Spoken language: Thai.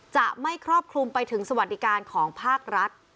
จะไม่ครอบคลุมไปถึงสวัสดิการของภาครัฐ